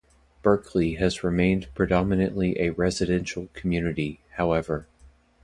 Berkeley has remained predominantly a residential community, however.